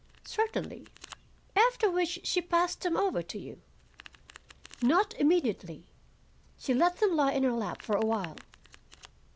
"Certainly." "After which she passed them over to you?" "Not immediately. She let them lie in her lap for a while."